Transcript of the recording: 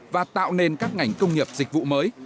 và tạo nên các ngành công nghiệp dịch vụ mới